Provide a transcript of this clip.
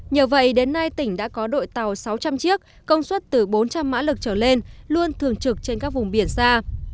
nhờ vậy đến nay tỉnh đã có đội tàu sáu trăm linh chiếc công suất từ bốn trăm linh mã lực trở lên luôn thường trực trên các vùng biển xa